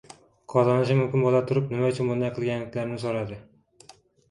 qozonishi mumkin boʻla turib nima uchun bunday qilganliklarini soʻradi.